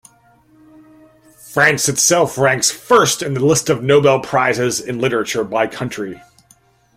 France itself ranks first in the list of Nobel Prizes in literature by country.